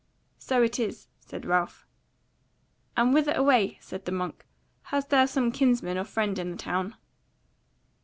"So it is," said Ralph. "And whither away?" said the monk; "hast thou some kinsman or friend in the town?"